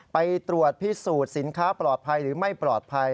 ไปตรวจพิสูจน์สินค้าปลอดภัยหรือไม่ปลอดภัย